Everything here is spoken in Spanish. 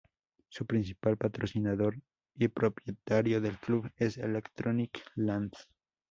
Su principal patrocinador y propietario del club es Electronic Land.